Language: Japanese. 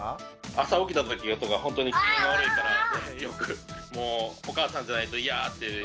朝起きたときとかほんとに機嫌が悪いからよくもうお母さんじゃないとイヤーって。